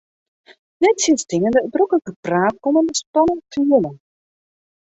Nettsjinsteande it drokke gepraat koe men de spanning fiele.